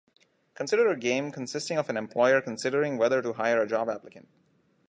Consider a game consisting of an employer considering whether to hire a job applicant.